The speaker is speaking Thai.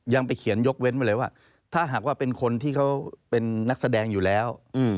ยังไปเขียนยกเว้นมาเลยว่าถ้าหากว่าเป็นคนที่เขาเป็นนักแสดงอยู่แล้ว